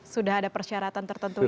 sudah ada persyaratan tertentu ya pak